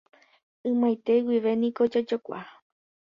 Ymaite guivéma niko jajokuaa.